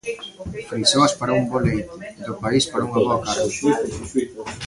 Frisoas para un bo leite, do país para unha boa carne.